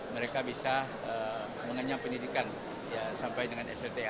mereka bisa mengenyam pendidikan sampai dengan slta